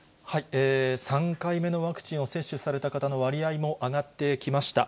３回目のワクチンを接種された方の割合も上がってきました。